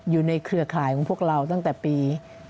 อยู่ในเครือข่ายของพวกเราตั้งแต่ปี๕๑๕๒